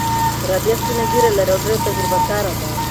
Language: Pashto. رابعه سپینه ږیره لري او ډېره تجربه کاره ده.